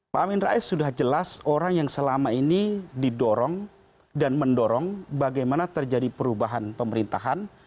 pak amin rais sudah jelas orang yang selama ini didorong dan mendorong bagaimana terjadi perubahan pemerintahan